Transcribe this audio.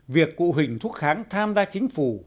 việc cụ huỳnh thúc kháng tham gia chính phủ